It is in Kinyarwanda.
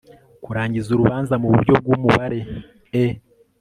kurangiza urubanza mu buryo bw umubare e